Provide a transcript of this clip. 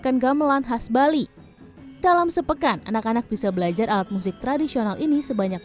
dan pada saat hari sekolah kadang kadang tidak bisa karena pembelajaran sekolah terlalu banyak